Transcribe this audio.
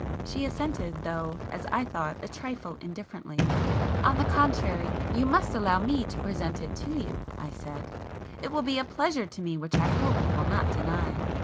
She assented, though, as I thought a trifle indifferently. "On the contrary you must allow me to present it to you;" I said—"It will be a pleasure to me which I hope you will not deny."